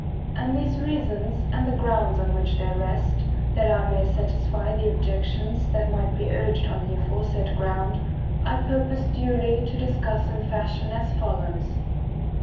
And these reasons, and the grounds on which they rest, that I may satisfy the objections that might be urged on the aforesaid ground, I purpose duly to discuss in fashion as follows.